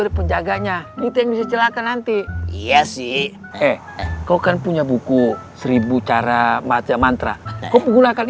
dia penjaganya gitu cirita nanti ya sih eh kau kan punya buku seribu cara baca mantra kamu gunakan